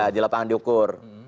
di lapangan diukur